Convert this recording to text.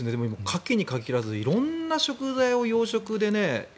カキに限らず色んな食材を養殖でね。